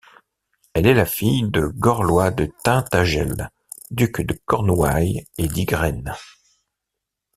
Elle est la fille de Gorlois de Tintagel, duc de Cornouailles et d'Ygraine.